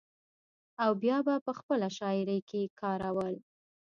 او بيا به پۀ خپله شاعرۍ کښې کارول ۔